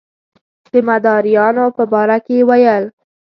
د مداریانو په باره کې یې ویل.